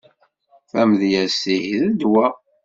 Tamedyazt ihi d ddwa.